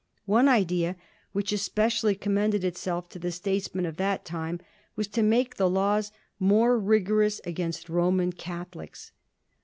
One idea which especi ally commended itself to the statesmen of that time was to make the laws more rigorous against Roman Catholics.